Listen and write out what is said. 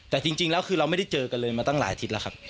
แต่จริงแล้วคือเราไม่ได้เจอกันเลยมาตั้งหลายอาทิตย์แล้วครับ